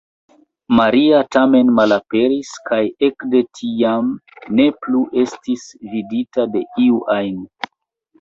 Maria tamen malaperis kaj ekde tiam ne plu estis vidita de iu ajn.